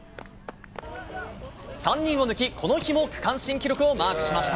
３人を抜き、この日も区間新記録をマークしました。